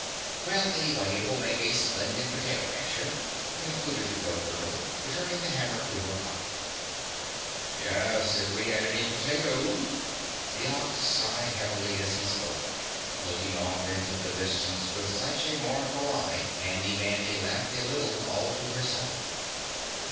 "Well, anyway, it will make a splendid potato masher," concluded the Goat Girl, returning the hammer to her pocket. "Yes, if we had any potatoes." The Ox sighed heavily as he spoke, looking off into the distance with such a mournful eye Handy Mandy laughed a little all to herself.